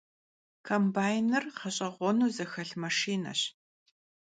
Kombaynır ğeş'eğuenu zexelh maşşineş.